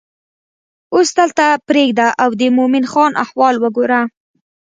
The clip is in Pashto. اوس دلته پرېږده او د مومن خان احوال وګوره.